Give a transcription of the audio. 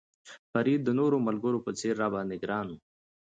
فرید د نورو ملګرو په څېر را باندې ګران و.